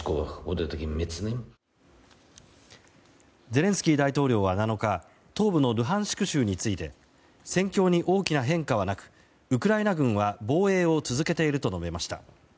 ゼレンスキー大統領は７日東部のルハンシク州について戦況に大きな変化はなくウクライナ軍は防衛を続けていると述べました。